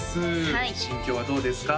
はい心境はどうですか？